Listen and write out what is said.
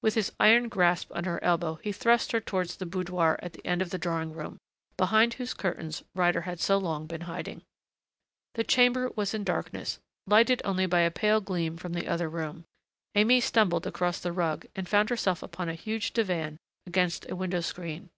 With his iron grasp on her elbow he thrust her towards the boudoir at the end of the drawing room, behind whose curtains Ryder had so long been hiding. The chamber was in darkness, lighted only by a pale gleam from the other room. Aimée stumbled across the rug and found herself upon a huge divan against a window screen.